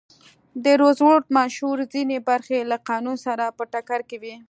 د روزولټ منشور ځینې برخې له قانون سره په ټکر کې وې.